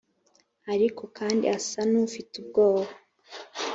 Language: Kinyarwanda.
ariko kandi asa n’ufite ubwoba